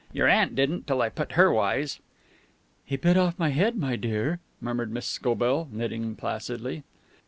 Your aunt didn't till I put her wise." "He bit my head off, my dear," murmured Miss Scobell, knitting placidly.